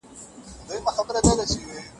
د دولت پانګونه یوازي په زېربناوو کي کېده.